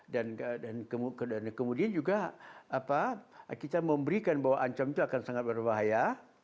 dan kemudian juga kita memberikan bahwa ancam itu akan sangat berbahaya